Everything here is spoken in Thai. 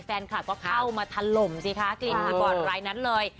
แฟนคลับก็เข้ามาถล่มสิคะกลิ่นอาบอร์ดรายนั้นเลย